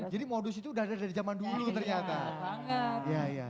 jadi modus itu udah ada dari zaman dulu ternyata